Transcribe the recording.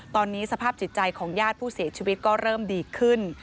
ตอนนี้สภาพจิตใจของญาติผู้เสียชีวิตก็เริ่มดีขึ้น